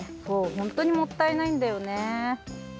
そうほんとにもったいないんだよね。